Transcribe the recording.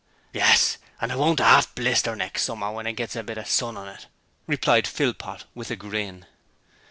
'Yes: and it won't arf blister next summer when it gets a bit of sun on it,' replied Philpot with a grin.